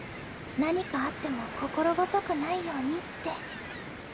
何かあっても心細くないようにって。